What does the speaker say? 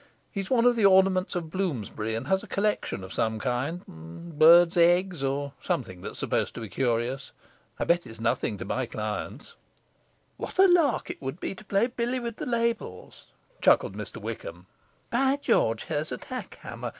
He's one of the ornaments of Bloomsbury, and has a collection of some kind birds' eggs or something that's supposed to be curious. I bet it's nothing to my clients!' 'What a lark it would be to play billy with the labels!' chuckled Mr Wickham. 'By George, here's a tack hammer!